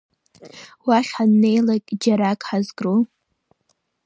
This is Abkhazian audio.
Уахь ҳаннеилак џьарак ҳазкру?